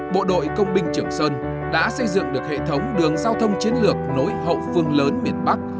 bộ đội công binh trường sơn đã xây dựng được hệ thống đường giao thông chiến lược nối hậu phương lớn miền bắc